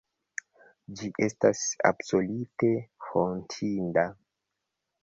Ĝi estas absolute hontinda.